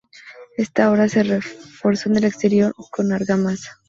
Esta obra se reforzó en el exterior con argamasa.